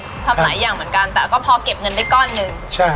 ทำหลายอย่างเหมือนกันแต่ก็พอเก็บเงินได้ก้อนหนึ่ง